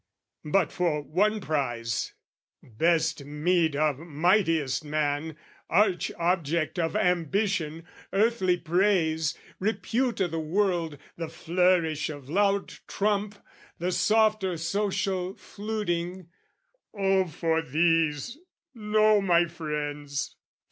"But, for one prize, best meed of mightiest man, "Arch object of ambition, earthly praise, "Repute o' the world, the flourish of loud trump, "The softer social fluting, Oh, for these, " No, my friends!